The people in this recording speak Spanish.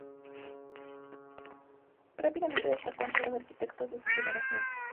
Rápidamente destacó entre los arquitectos de su generación.